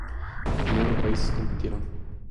Nueve países compitieron.